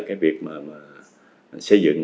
cái việc mà mình xây dựng